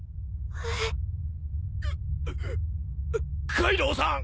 カイドウさん！